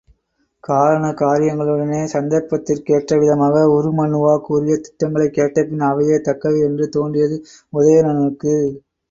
காரண காரியங்களுடனே சந்தர்ப்பத்திற்கு ஏற்ற விதமாக உருமண்ணுவா கூறிய திட்டங்களைக் கேட்டபின்பு, அவையே தக்கவை என்று தோன்றியது உதயணனுக்கு.